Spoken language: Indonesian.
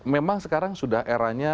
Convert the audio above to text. memang sekarang sudah eranya